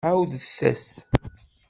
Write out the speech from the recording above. Ԑawdet-as!